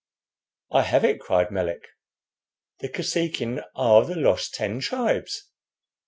"I have it!" cried Melick. "The Kosekin are the lost Ten Tribes.